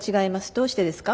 どうしてですか？